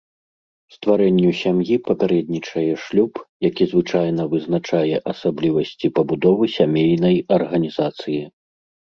Стварэнню сям'і папярэднічае шлюб, які звычайна вызначае асаблівасці пабудовы сямейнай арганізацыі.